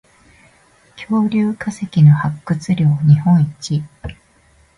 恐竜化石の発掘量日本一